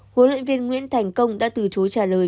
hồ lợi viên nguyễn thành công đã từ chối trả lời